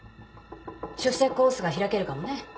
出世コースが開けるかもね。